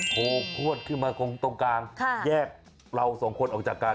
โพวดขึ้นมาตรงกลางแยกเราสองคนออกจากกัน